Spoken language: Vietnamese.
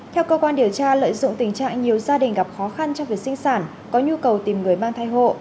theo cơ quan điều tra lợi dụng tình trạng nhiều gia đình gặp khó khăn trong việc sinh sản có nhu cầu tìm người mang thai hộ